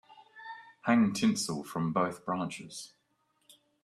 Hang tinsel from both branches.